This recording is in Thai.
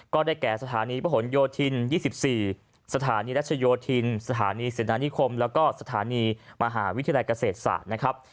แก่สถานีประหลโยธิน๒๔สถานีรัชโยธินสถานีเสนานิคมแล้วก็สถานีมหาวิทยาลัยเกษตรศาสตร์นะครับ